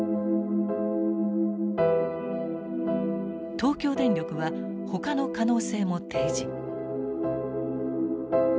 東京電力はほかの可能性も提示。